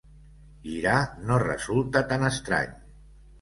Girar no resulta tan estrany.